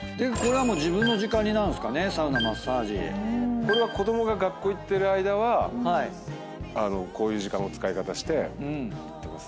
これは子供が学校行ってる間はこういう時間の使い方して行ってます。